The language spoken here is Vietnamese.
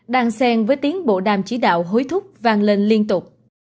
đang xen với tiếng bộ đàm chỉ đạo hối thúc vang lên liên tục